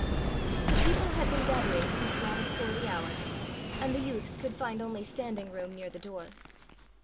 The people had been gathering since long before the hour, and the youths could find only standing room near the door.